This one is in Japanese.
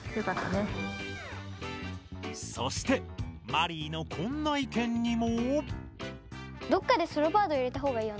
そしてマリイのこんな意見にも。